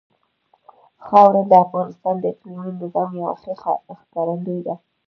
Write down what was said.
خاوره د افغانستان د اقلیمي نظام یوه ښه ښکارندوی ده.